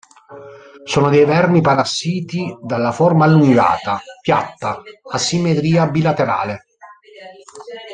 Sono dei vermi parassiti dalla forma allungata, piatta, a simmetria bilaterale.